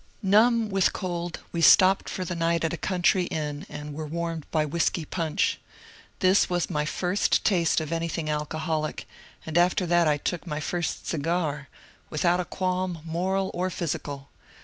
Numb with cold, we stopped for the night at a country inn, and were warmed by whiskey punch. This was my first taste of anything alcoholic, and after that I took my first cigar — without a qualm, moral or physical.